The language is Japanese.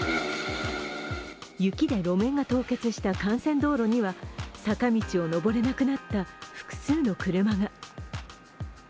雪で路面が凍結した幹線道路には坂道を上れなくなった複数の車が。